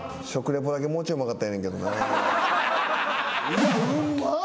いやうまっ。